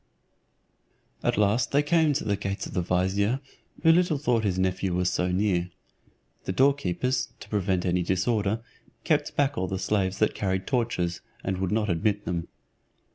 At last they came to the gates of the vizier who little thought his nephew was so near. The doorkeepers, to prevent any disorder, kept back all the slaves that carried torches, and would not admit them.